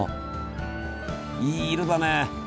いい色だね。